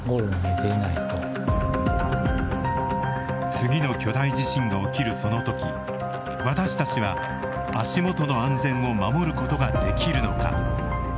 次の巨大地震が起きるその時私たちは足元の安全を守ることができるのか。